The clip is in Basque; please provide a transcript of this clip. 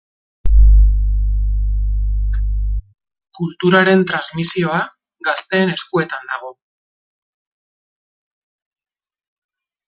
Kulturaren transmisioa gazteen eskuetan dago.